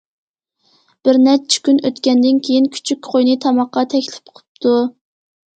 بىر نەچچە كۈن ئۆتكەندىن كىيىن كۈچۈك قوينى تاماققا تەكلىپ قىپتۇ.